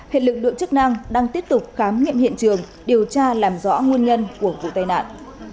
hệ lực lượng chức năng đang tiếp tục khám nghiệm hiện trường điều tra làm rõ nguồn nhân của vụ tai nạn